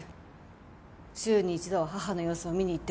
週に一度は義母の様子を見に行ってくれって。